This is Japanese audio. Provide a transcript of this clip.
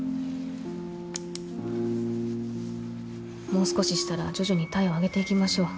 もう少ししたら徐々に体温上げていきましょう。